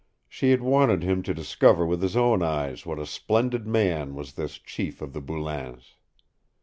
She had wanted him to discover with his own eyes what a splendid man was this chief of the Boulains.